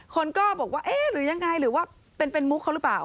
คนก็บอกว่าเอ๊ะหรือยังไงหรือว่าเป็นมุกเขาหรือเปล่า